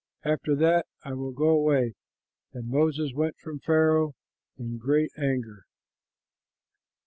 After that I will go away." And Moses went from Pharaoh in great anger.